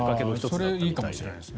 それいいかもしれないですね。